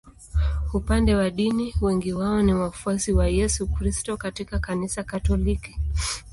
Upande wa dini wengi wao ni wafuasi wa Yesu Kristo katika Kanisa Katoliki.